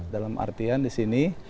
dalam artian disini